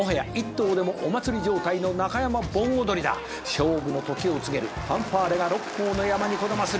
「勝負のときを告げるファンファーレが六甲の山にこだまする」